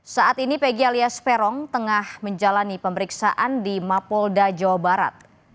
saat ini pegi alias peron tengah menjalani pemeriksaan di mapolda jawa barat